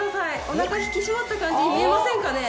お腹引き締まった感じに見えませんかね？